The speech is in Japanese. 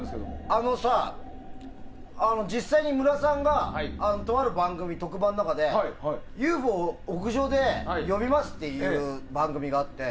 あの、実際に武良さんがとある特番の中でＵＦＯを屋上で呼びますっていう番組があって